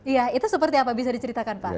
iya itu seperti apa bisa diceritakan pak